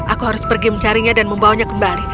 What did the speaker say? aku harus pergi mencarinya dan membawanya kembali